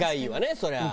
そりゃ。